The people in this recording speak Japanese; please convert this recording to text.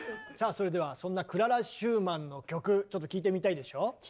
それではそんなクララ・シューマンの曲ちょっと聴いてみたいでしょう？